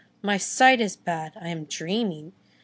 My sight is bad! I am dreaming!